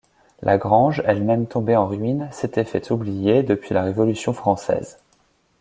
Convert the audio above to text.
La grange, elle-même tombée en ruine, s'était fait oublier depuis la Révolution française.